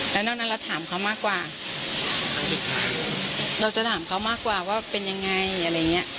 แล้วนอกนั้นเราถามเขามากกว่าเราจะถามเขามากกว่าว่าเป็นยังไงอะไรอย่างเงี้ย